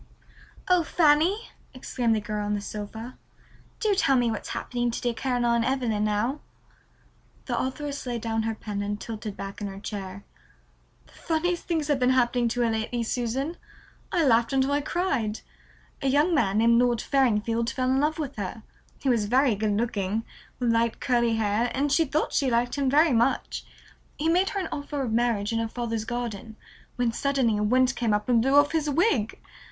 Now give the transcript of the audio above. "Oh, Fanny," exclaimed the girl on the sofa, "do tell me what's happening to dear Caroline Evelyn now." The authoress laid down her pen and tilted back in her chair. "The funniest things have been happening to her lately, Susan. I laughed until I cried. A young man named Lord Farringfield fell in love with her. He was very good looking, with light curly hair, and she thought she liked him very much. He made her an offer of marriage in her father's garden, when suddenly a wind came up and blew off his wig.